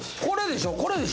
これでしょ？